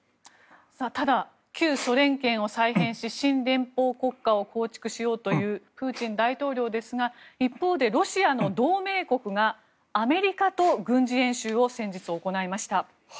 ただ旧ソ連圏を再編し新連邦国家を構築しようというプーチン大統領ですが一方で、ロシアの同盟国がアメリカと軍事演習を先日行いました。